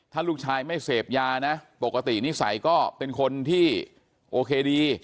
ถ้าลูกชายไม่เสพยานะปกตินิสัยก็เป็นคนที่โอเคดี